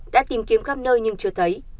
đã tìm kiếm khắp nơi nhưng chưa thấy